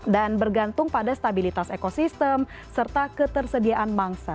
dan bergantung pada stabilitas ekosistem serta ketersediaan mangsa